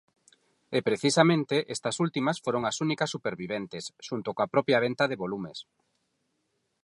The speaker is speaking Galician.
E, precisamente, estas últimas foron as únicas superviventes xunto coa propia venta de volumes.